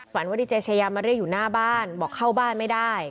ว่าดีเจชายามาเรียกอยู่หน้าบ้านบอกเข้าบ้านไม่ได้